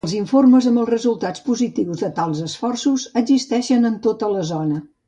Els informes amb els resultats positius de tals esforços existeixen en tota la zona.